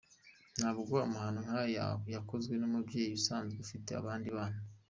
Ntabwo amahano nkaya yagakozwe n’umubyeyi usanzwe afite abandi bana.